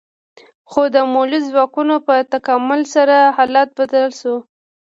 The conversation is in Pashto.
خو د مؤلده ځواکونو په تکامل سره حالت بدل شو.